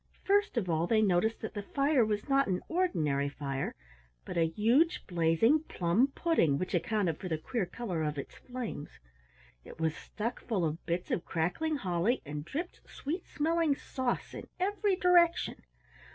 First of all they noticed that the fire was not an ordinary fire, but a huge blazing plum pudding which accounted for the queer color of its flames. It was stuck full of bits of crackling holly and dripped sweet smelling sauce in every direction.